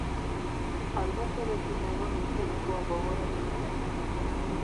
Albertorekin egon nintzenekoa gogoratu nuen.